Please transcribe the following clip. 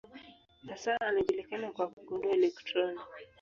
Hasa anajulikana kwa kugundua elektroni.